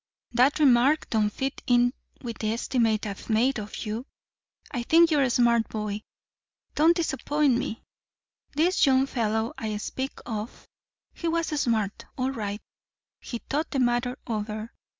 "That remark don't fit in with the estimate I've made of you. I think you're a smart boy. Don't disappoint me. This young fellow I speak of he was smart, all right. He thought the matter over.